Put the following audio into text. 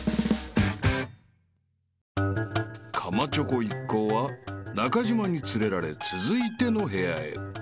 ［かまチョコ一行は中島に連れられ続いての部屋へ］